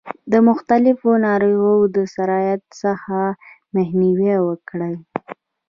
د مختلفو ناروغیو د سرایت څخه مخنیوی وکړي.